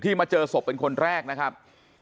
มาเจอศพเป็นคนแรกนะครับ